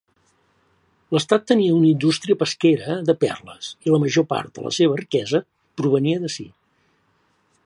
L'estat tenia una indústria pesquera de perles i la major part de la seva riquesa provenia d'ací.